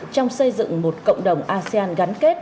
trong xây dựng một cộng đồng asean gắn kết